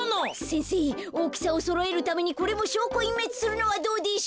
せんせいおおきさをそろえるためにこれもしょうこいんめつするのはどうでしょう。